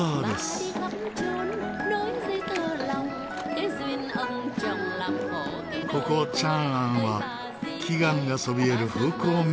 ここチャンアンは奇岩がそびえる風光明媚なエリア。